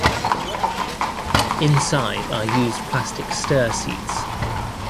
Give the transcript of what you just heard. Inside are used plastic Ster seats.